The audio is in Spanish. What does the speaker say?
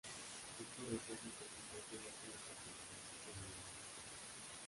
Esto refleja que el puntaje más alto que la mano puede llegar es nueve.